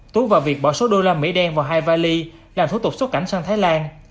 tú và việt bỏ số usd đen vào hai vali làm thủ tục xuất cảnh sang thái lan